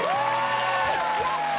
やった！